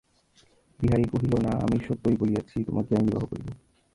বিহারী কহিল, না, আমি সত্যই বলিয়াছি, তোমাকে আমি বিবাহ করিব।